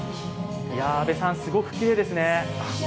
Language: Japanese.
安部さん、すごくきれいですね。